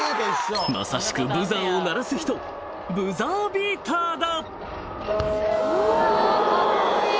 まさしくブザーを鳴らす人ブザービーターだ